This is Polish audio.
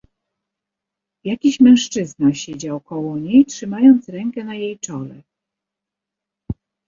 "Jakiś mężczyzna siedział koło niej, trzymając rękę na jej czole“."